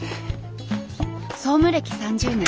総務歴３０年。